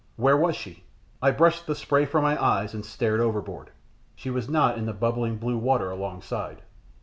Where was she? I brushed the spray from my eyes, and stared overboard. She was not in the bubbling blue water alongside.